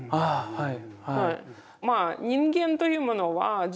はい。